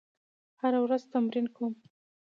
هره ورځ تمرین کوم.